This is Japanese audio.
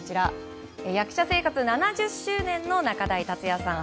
役者生活７０周年の仲代達矢さん。